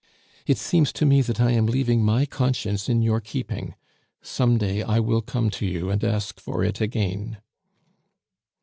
"It seems to me that I am leaving my conscience in your keeping; some day I will come to you and ask for it again."